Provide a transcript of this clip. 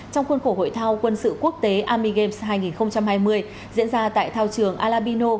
trong khuôn khổ hội thao quân sự quốc tế army games hai nghìn hai mươi diễn ra tại thao trường alabino